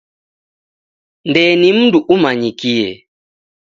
Ndee ni mndu umanyikie.